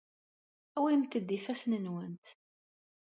Awimt-d ifassen-nwent.